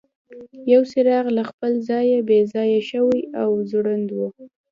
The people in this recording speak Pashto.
یو څراغ له خپل ځایه بې ځایه شوی او ځوړند و.